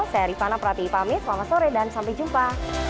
saya rifana pratipami selamat sore dan sampai jumpa